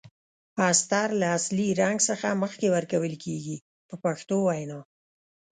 استر له اصلي رنګ څخه مخکې ورکول کیږي په پښتو وینا.